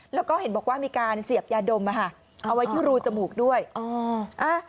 แล้วก็เห็นบอกว่ามีการเสียบยาดมอ่ะค่ะเอาไว้ที่รูจมูกด้วยอ๋ออ่ะ